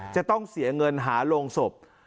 จะต้องเสียเงินหาโรงศพ